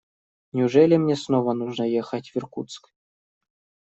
Неужели мне снова нужно ехать в Иркутск?